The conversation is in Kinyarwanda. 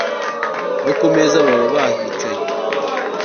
no kumeza baba bahicaye